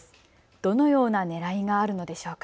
どのようなねらいがあるのでしょうか。